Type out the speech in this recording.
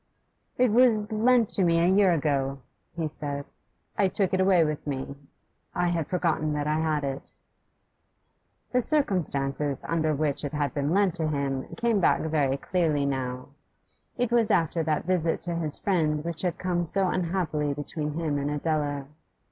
'It was lent to me a year ago,' he said. 'I took it away with me. I had forgotten that I had it.' The circumstances under which it had been lent to him came back very clearly now. It was after that visit to his friend which had come so unhappily between him and Adela.